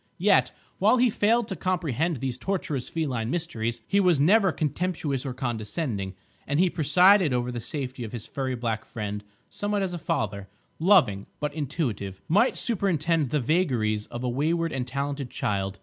Yet, while he failed to comprehend these tortuous feline mysteries, he was never contemptuous or condescending; and he presided over the safety of his furry black friend somewhat as a father, loving, but intuitive, might superintend the vagaries of a wayward and talented child.